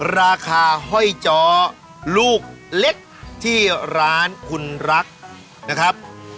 ราคาห้อยจอลูกเล็กที่ร้านคุณรักนะครับ